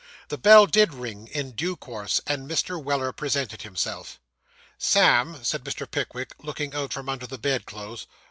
The bell did ring in due course, and Mr. Weller presented himself. 'Sam,' said Mr. Pickwick, looking out from under the bed clothes.